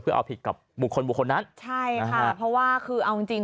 เอาผิดกับบุคคลบุคคลนั้นใช่ค่ะเพราะว่าคือเอาจริงจริง